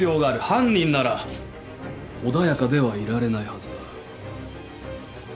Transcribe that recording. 犯人なら穏やかではいられないはずだ。